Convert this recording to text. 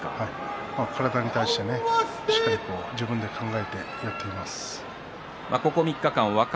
体に対して、しっかりと自分で考えてやっています。